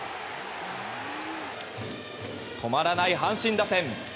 止まらない阪神打線。